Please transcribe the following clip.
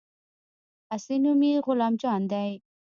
اصلي نوم يې غلام جان دى.